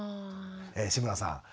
志村さん